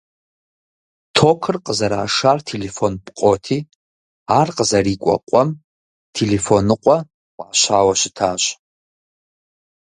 Токыр къызэрашар телефон пкъоти, ар къызэрырикӀуэ къуэм «Телефоныкъуэ» фӀащауэ щытащ.